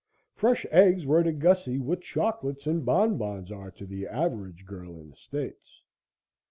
Fresh eggs were to Gussie what chocolates and bon bons are to the average girl in the States.